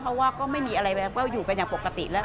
เพราะว่าก็ไม่มีอะไรแบบก็อยู่กันอย่างปกติแล้ว